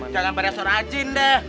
jangan beresor rajin deh